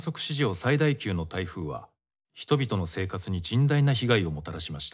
最大級の台風は人々の生活に甚大な被害をもたらしました。